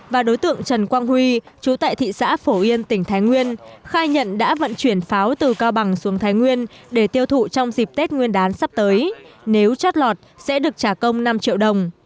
và đối tượng trần quang huy chú tại thị xã phổ yên tỉnh thái nguyên khai nhận đã vận chuyển pháo từ cao bằng xuống thái nguyên để tiêu thụ trong dịp tết nguyên đán sắp tới nếu chót lọt sẽ được trả công năm triệu đồng